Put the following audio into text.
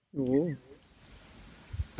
โอ้โห